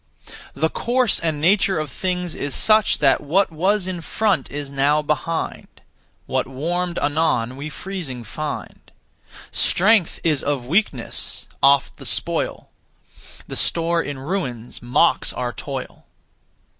The course and nature of things is such that What was in front is now behind; What warmed anon we freezing find. Strength is of weakness oft the spoil; The store in ruins mocks our toil.